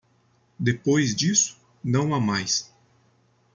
Depois disso, não há mais